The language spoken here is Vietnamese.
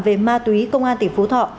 về ma túy công an tỉnh phú thọ